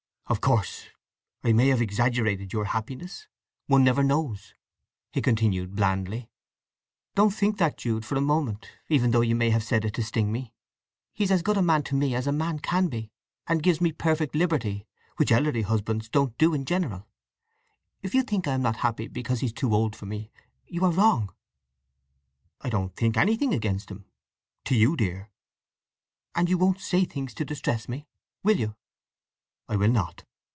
"Of course I may have exaggerated your happiness—one never knows," he continued blandly. "Don't think that, Jude, for a moment, even though you may have said it to sting me! He's as good to me as a man can be, and gives me perfect liberty—which elderly husbands don't do in general… If you think I am not happy because he's too old for me, you are wrong." "I don't think anything against him—to you dear." "And you won't say things to distress me, will you?" "I will not."